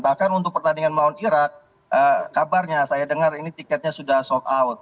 bahkan untuk pertandingan melawan irak kabarnya saya dengar ini tiketnya sudah sold out